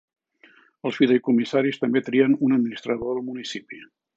Els fideïcomissaris també trien un administrador del municipi.